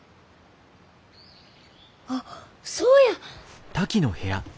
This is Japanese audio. あっそうや！